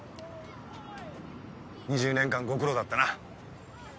２０年間ご苦労だったな。